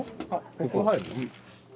ここ入るの？